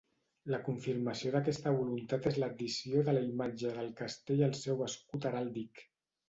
La confirmació d'aquesta voluntat és l'addició de la imatge del castell al seu escut heràldic.